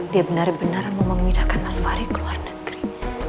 dia benar benar mau memindahkan mas mari ke luar negeri